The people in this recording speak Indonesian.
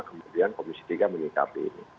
kemudian komisi tiga menyikapi ini